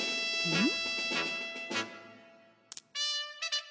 うん？